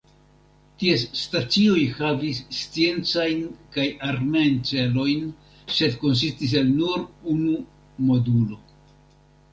Ties stacioj havis sciencajn kaj armeajn celojn sed konsistis el nur unu modulo.